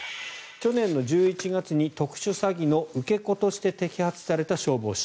去年１１月に特殊詐欺の受け子として摘発された消防士。